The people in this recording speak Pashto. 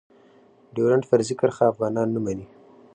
ډيورنډ فرضي کرښه افغانان نه منی.